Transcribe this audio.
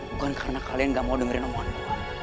bukan karena kalian gak mau dengerin omongan gue